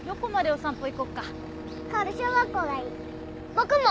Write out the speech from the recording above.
僕も。